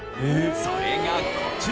それがこちら。